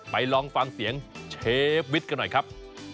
ลองฟังเสียงเชฟวิทย์กันหน่อยครับ